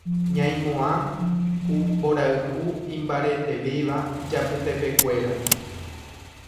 Ñaimoã ku mborayhu imbaretevéva ijapytepekuéra.